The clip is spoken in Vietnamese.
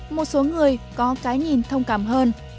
một số người có cái nhìn thông cảm hơn